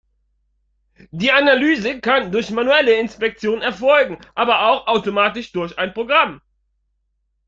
Die Analyse kann durch manuelle Inspektion erfolgen, aber auch automatisch durch ein Programm.